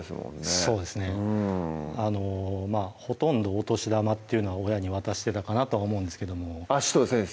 そうですねまぁほとんどお年玉っていうのは親に渡してたかなと思うんですけどもあっ紫藤先生